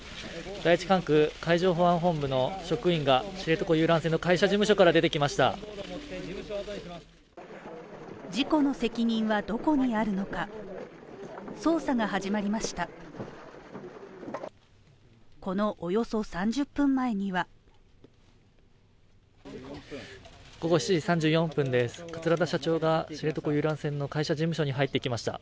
第一管区海上保安本部の職員が知床遊覧船の会社事務所から出てきました事故の責任はどこにあるのか、捜査が始まりました。